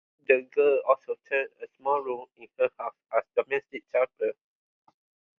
The girl also turned a small room in her house as a domestic chapel.